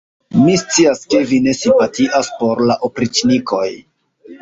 Mi scias, ke vi ne simpatias por la opriĉnikoj!